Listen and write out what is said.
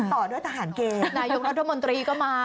ต่อด้วยทหารเกณฑ์นายกรัฐมนตรีก็มา